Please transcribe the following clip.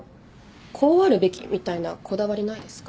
こうあるべきみたいなこだわりないですか？